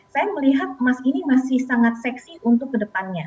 saya melihat emas ini masih sangat seksi untuk kedepannya